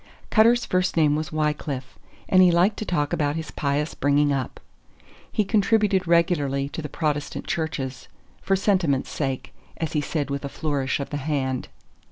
Cutter's first name was Wycliffe, and he liked to talk about his pious bringing up. He contributed regularly to the Protestant churches, "for sentiment's sake," as he said with a flourish of the hand.